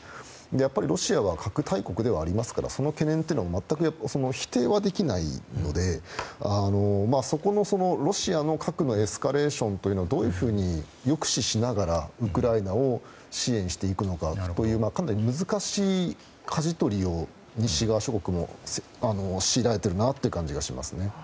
やっぱりロシアは核大国ではありますからその懸念を全く否定はできないのでロシアの核のエスカレーションをどういうふうに抑止しながらウクライナを支援していくのかというかなり難しいかじ取りを西側諸国も強いられているなという感じがしますね。